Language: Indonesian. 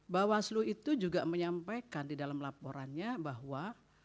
bawaslu itu juga menyampaikan di dalam laporannya bahwa